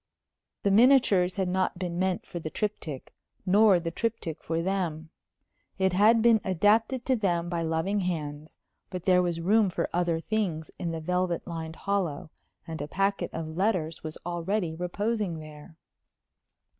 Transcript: The miniatures had not been meant for the triptych, nor the triptych for them. It had been adapted to them by loving hands; but there was room for other things in the velvet lined hollow, and a packet of letters was already reposing there.